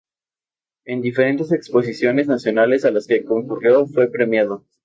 En diferentes Exposiciones Nacionales a las que concurrió fue premiado.